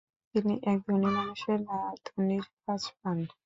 তিনি এক ধনী মানুষের রাঁধুনীর কাজ পান।